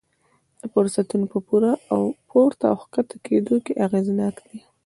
د فرصتونو په پورته او ښکته کېدو کې اغېزناک دي.